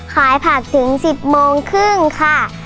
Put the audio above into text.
ขายผักถึง๑๐โมงครึ่งค่ะ